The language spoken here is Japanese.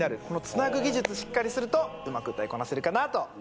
このつなぐ技術しっかりするとうまく歌いこなせるかなと。